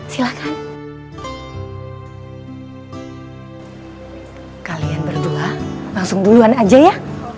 silahkan kalian berdua langsung duluan aja ya